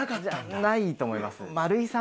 じゃないと思います。